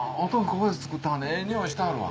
ここで作ってはるええ匂いしてはるわ。